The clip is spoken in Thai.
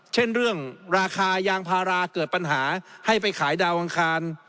เช่นเรื่องราคายางพาราเกิดปัญหาให้ไปขายดาวอังคาร